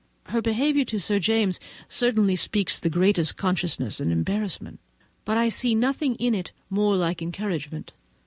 Her behaviour to Sir James certainly speaks the greatest consciousness and embarrassment, but I see nothing in it more like encouragement.